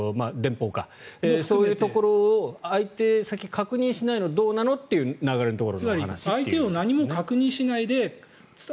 そういうところを相手先を確認しないのはどうなのという流れの話。